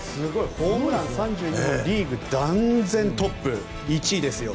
ホームラン３２本リーグ断然トップの１位ですよ。